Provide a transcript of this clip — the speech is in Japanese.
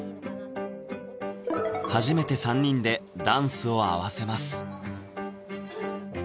初めて３人でダンスを合わせます